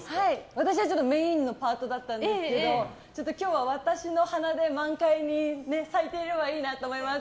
私はメインのパートだったんですけど今日は私の鼻で満開に咲いていればいいなと思います。